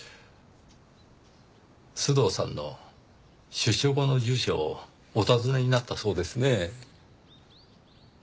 須藤さんの出所後の住所をお尋ねになったそうですね？